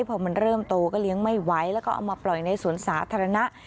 พอมันเริ่มโตก็เลี้ยงไม่ไหวแล้วก็เอามาปล่อยในสวนสาธารณะ